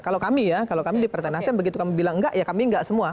kalau kami ya kalau kami di partai nasdem begitu kami bilang enggak ya kami enggak semua